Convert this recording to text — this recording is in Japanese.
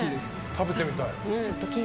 食べてみたい。